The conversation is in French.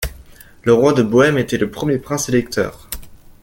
Le roi de Bohème était le premier prince-électeur.